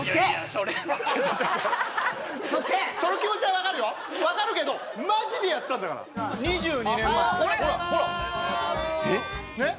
その気持ちは分かるよ分かるけどマジでやってたんだから２２年前あれっ？